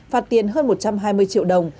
phạt tiền hơn một trăm hai mươi triệu đồng